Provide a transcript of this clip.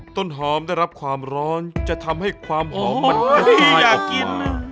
ต้นหอมได้รับความร้อนจะทำให้ความหอมมันขย่อกิน